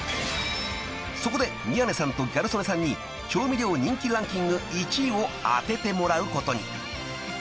［そこで宮根さんとギャル曽根さんに調味料人気ランキング１位を当ててもらうことに］